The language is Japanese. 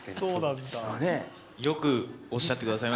よくおっしゃってください